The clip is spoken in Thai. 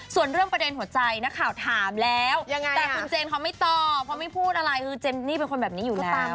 ส่วนเรื่องประเด็นหัวใจนักข่าวถามแล้วแต่คุณเจนเขาไม่ตอบเพราะไม่พูดอะไรคือเจนนี่เป็นคนแบบนี้อยู่หรือเปล่า